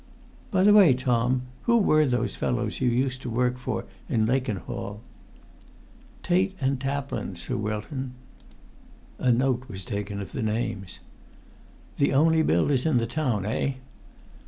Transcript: "By the way, Tom, who were those fellows you used to work for in Lakenhall?" "Tait & Taplin, Sir Wilton." A note was taken of the names. "The only builders in the town, eh?"